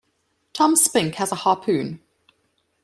Tom Spink has a harpoon.